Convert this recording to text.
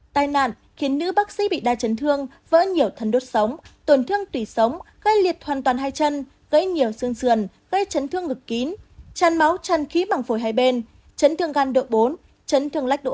tai nạn khiến nữ bác sĩ bị đa chấn thương vỡ nhiều thân đốt sống tổn thương tùy sống gây liệt hoàn toàn hai chân gây nhiều xương xườn gây chấn thương ngực kín chăn máu chăn khí bằng phổi hai bên chấn thương gan độ bốn chấn thương lách độ hai